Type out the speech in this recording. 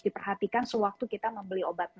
kita perhatikan sewaktu kita membeli obat